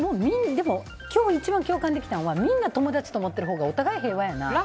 今日一番共感できたのはみんな友達って思ってるほうがお互い平和やな。